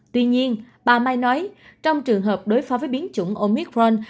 tuy nhiên bà mai nói trong trường hợp đối phó với biến chủng omicron